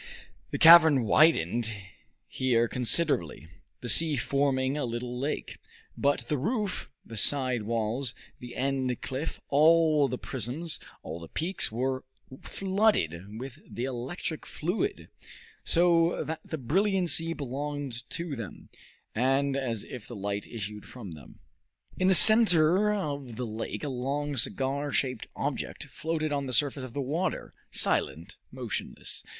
The cavern widened here considerably, the sea forming a little lake. But the roof, the side walls, the end cliff, all the prisms, all the peaks, were flooded with the electric fluid, so that the brilliancy belonged to them, and as if the light issued from them. In the center of the lake a long cigar shaped object floated on the surface of the water, silent, motionless.